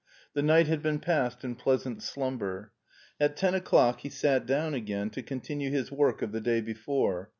The night had been passed in pleasant slumber. At ten o'clock he sat down again to continue his work of the day before.